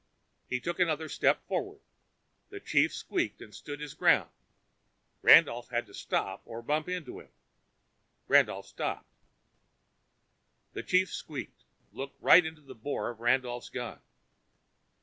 He took another step forward. The chief squeaked and stood his ground. Randolph had to stop or bump into him. Randolph stopped. The chief squeaked, looking right into the bore of Randolph's gun.